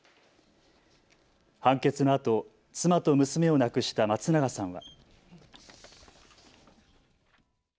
判決のあと妻と娘を亡くした松永さんは。